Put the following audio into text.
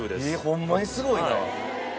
ホンマにすごいな！